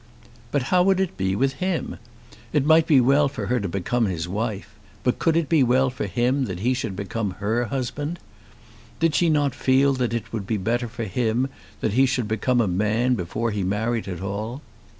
But how would it be with him? It might be well for her to become his wife, but could it be well for him that he should become her husband? Did she not feel that it would be better for him that he should become a man before he married at all?